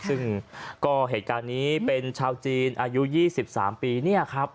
ซึ่งก็เหตุการณ์นี้เป็นชาวจีนอายุ๒๓ปีเนี่ยครับ